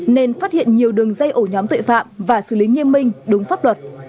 nên phát hiện nhiều đường dây ổ nhóm tội phạm và xử lý nghiêm minh đúng pháp luật